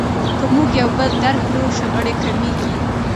که موږ یو بل درک کړو شخړې کمیږي.